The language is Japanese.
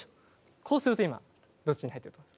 こうすると今どっちに入ってると？